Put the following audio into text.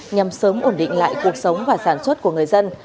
nhằm sớm ổn định lại cuộc sống và sản xuất của người dân